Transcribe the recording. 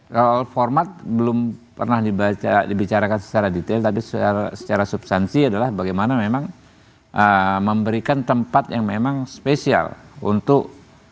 kalau format belum pernah dibicarakan secara detail tapi secara substansi adalah bagaimana memang memberikan tempat yang memang spesial untuk